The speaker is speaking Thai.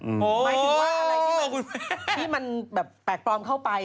หมายถึงว่าอะไรที่มันแบบแปลกปลอมเข้าไป